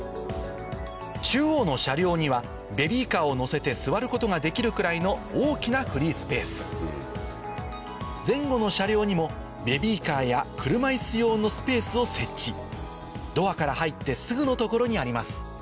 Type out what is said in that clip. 中央の車両にはベビーカーを乗せて座ることができるくらいの大きなフリースペース前後の車両にもベビーカーや車椅子用のスペースを設置ドアから入ってすぐのところにあります